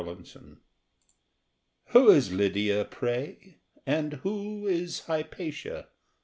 PALINODE Who is Lydia, pray, and who Is Hypatia?